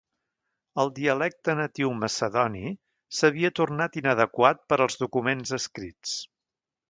El dialecte natiu macedoni s'havia tornat inadequat per als documents escrits.